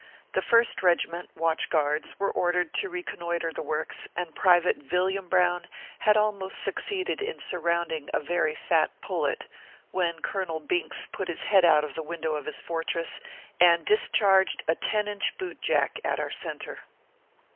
The first regiment, Watch Guards, were ordered to recon noitre the works, and private Villiam Brown had almost succeeded in surrounding a very fat pullet, when Colonel Binks put his head out of the window of his fortress, and discharged a ten inch "boot jack at our centre.